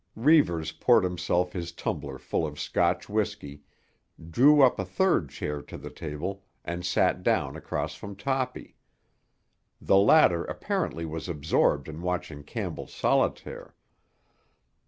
Reivers poured himself his tumbler full of Scotch whiskey, drew up a third chair to the table and sat down across from Toppy. The latter apparently was absorbed in watching Campbell's solitaire.